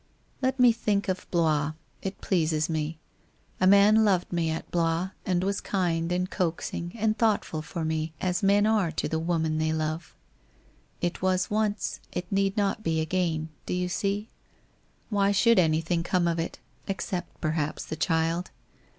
Let me think of Blois. It pleases me. A man loved me at Blois and was kind and coaxing and thoughtful for me, as men are to the woman they love. It was once, it need not be again. Do you see? Why should anything come of it — except perhaps the child.